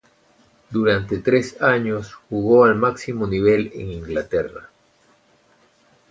Durante tres años jugó al máximo nivel en Inglaterra.